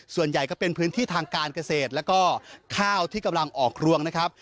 ส่วนใหญ่ก็เป็นพื้นที่ทางการเกษตรแล้วก็ข้าวที่กำลังออกรวงนะครับ